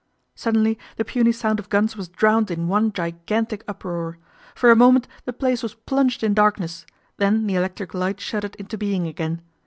Suddenly the puny sound of guns was drowned in one gigantic uproar. For a moment the place was plunged in darkness, then the electric light shuddered into being again.